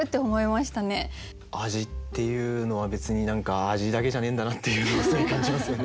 味っていうのは別に何か味だけじゃねえんだなっていうのをすごい感じますよね。